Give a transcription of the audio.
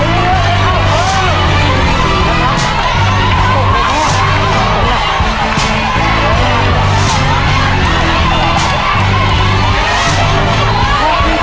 หรือไม่ถุงใส่